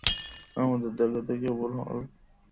আমাদের দেখা তো কেবল হল।